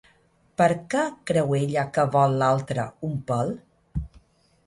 Per què creu ella que vol l'altre un pèl?